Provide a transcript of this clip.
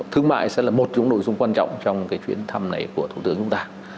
thương mại sẽ là một trong nội dung quan trọng trong cái chuyến thăm này của thủ tướng chúng ta